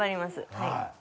はい。